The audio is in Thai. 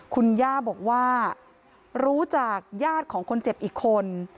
คุณย่าบอกว่ารู้จากญาติของคนเจ็บอีกคน